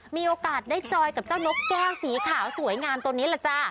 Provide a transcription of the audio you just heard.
มีโอกาสได้จอยกับเจ้านกแก้วสีขาวสวยงามตัวนี้ล่ะจ๊ะ